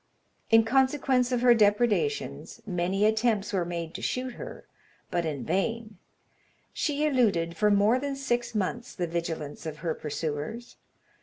In consequence of her depredations, many attempts were made to shoot her, but in vain. She eluded, for more than six months, the vigilance of her pursuers.